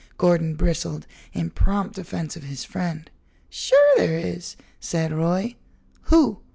Gordon bristled, in prompt defense of his friend. "Sure there is," said Roy. "Who?"